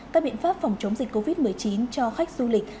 các biện pháp phòng chống dịch covid một mươi chín cho khách du lịch